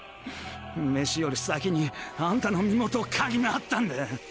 飯より先にあんたの身元を嗅ぎ回ったんだ。